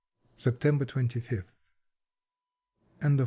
September Twenty fifth A DREAM?